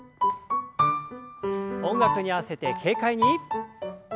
音楽に合わせて軽快に。